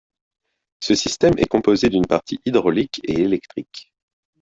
Ce système est composé d'une partie hydraulique et électrique.